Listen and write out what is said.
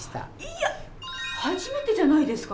いや初めてじゃないですか？